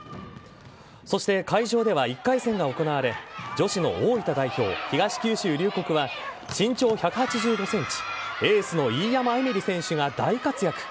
そして、会場では１回戦が行われ女子の大分代表・東九州龍谷は身長１８５ｃｍエースの飯山エミリ選手が大活躍。